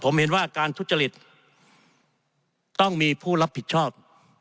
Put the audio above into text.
ผมเห็นว่าการทุจริตต้องมีผู้รับผิดชอบ